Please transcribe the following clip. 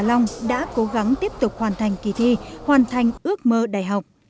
long đã cố gắng tiếp tục hoàn thành kỳ thi hoàn thành ước mơ đại học